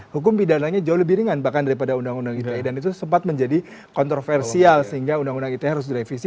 hukum pidananya jauh lebih ringan bahkan daripada undang undang ite dan itu sempat menjadi kontroversial sehingga undang undang ite harus direvisi